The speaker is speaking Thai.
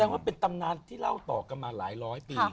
ว่าเป็นตำนานที่เล่าต่อกันมาหลายร้อยปี